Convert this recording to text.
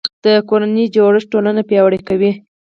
د کورنۍ جوړښت ټولنه پیاوړې کوي